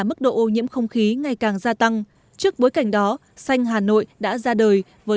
mức độ ô nhiễm không khí ngày càng gia tăng trước bối cảnh đó xanh hà nội đã ra đời với